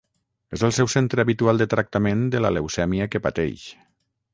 És el seu centre habitual de tractament de la leucèmia que pateix.